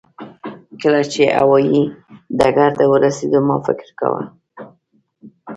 کله چې هوایي ډګر ته ورسېدو ما فکر کاوه.